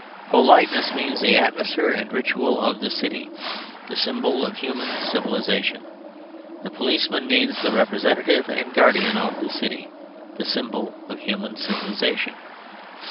Politeness means the atmosphere and ritual of the city, the symbol of human civilisation. The policeman means the representative and guardian of the city, the symbol of human civilisation.